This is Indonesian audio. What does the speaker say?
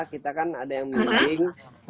kita kan ada yang mending